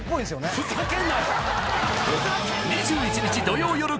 ふざけんなよ！